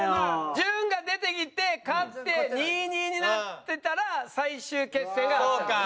潤が出てきて勝って２２になってたら最終決戦があった。